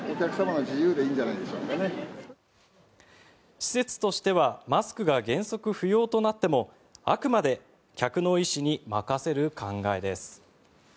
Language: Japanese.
施設としてはマスクが原則不要となってもあくまで客の意思に任せる考えです。